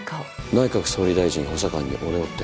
内閣総理大臣補佐官に俺をって。